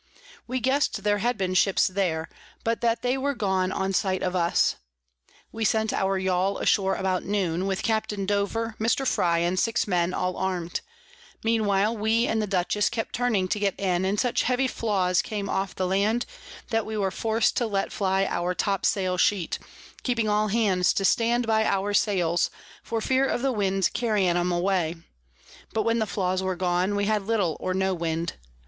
We guess'd there had been Ships there, but that they were gone on sight of us. We sent our Yall ashore about Noon, with Capt. Dover, Mr. Frye, and six Men, all arm'd; mean while we and the Dutchess kept turning to get in, and such heavy Flaws came off the Land, that we were forc'd to let fly our Topsail Sheet, keeping all Hands to stand by our Sails, for fear of the Wind's carrying 'em away: but when the Flaws were gone, we had little or no Wind.